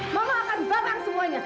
mama akan bakang semuanya